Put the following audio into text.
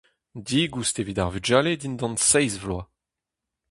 Digoust evit ar vugale dindan seizh vloaz.